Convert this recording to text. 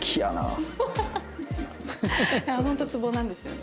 ホントツボなんですよね。